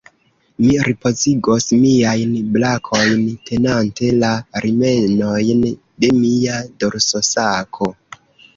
Mi ripozigos miajn brakojn, tenante la rimenojn de mia dorsosako.